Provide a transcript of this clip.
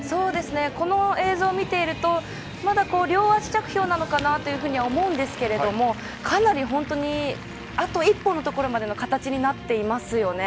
この映像を見ているとまだ両足着氷かなとは思いますがかなりあと一歩のところまで形になっていますよね。